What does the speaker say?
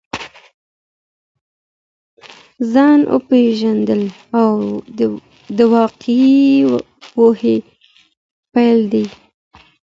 ځان پیژندل د واقعي پوهي پیل دی.